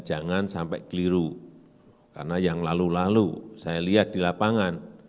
jangan sampai keliru karena yang lalu lalu saya lihat di lapangan